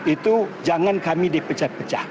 itu jangan kami dipecat pecah